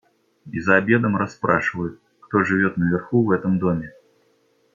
И за обедом расспрашивают, кто живет наверху в этом доме.